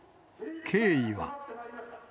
経緯は。